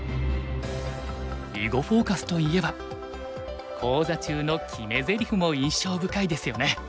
「囲碁フォーカス」といえば講座中の決めぜりふも印象深いですよね。